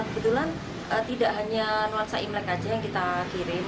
kebetulan tidak hanya nuansa imlek saja yang kita kirim